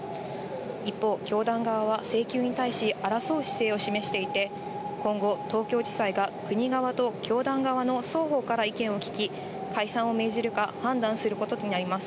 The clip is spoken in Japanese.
一方、教団側請求に対し、争う姿勢を示していて、今後、東京地裁が国側と教団側の双方から意見を聞き、解散を命じるか判断することとなります。